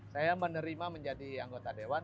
saya menerima menjadi anggota dewan